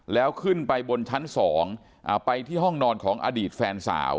แล้วขึ้นไปบนชั้น๒ไปที่ห้องนอนของอดีตแฟนสาว